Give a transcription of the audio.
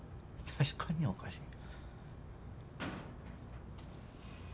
確かにおかしい。